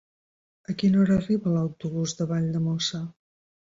A quina hora arriba l'autobús de Valldemossa?